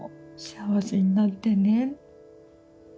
幸せになってね。